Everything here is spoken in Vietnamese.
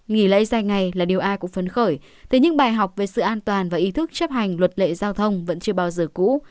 nghỉ lễ dài ngày là điều ai cũng phấn khởi thế nhưng bài học về sự an toàn và ý thức chấp hành luật lệ giao thông vẫn chưa bao giờ cũ